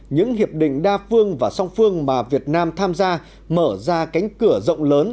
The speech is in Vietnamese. những hiệp định đa phương và song phương mà việt nam tham gia mở ra cánh cửa rộng lớn